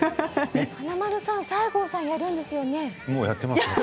華丸さん西郷さんやるんですよね。